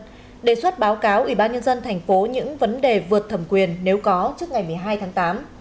và kiểm soát báo cáo ubnd tp những vấn đề vượt thẩm quyền nếu có trước ngày một mươi hai tháng tám